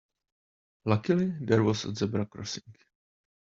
Luckily there was a zebra crossing.